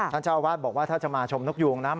เจ้าอาวาสบอกว่าถ้าจะมาชมนกยูงนะ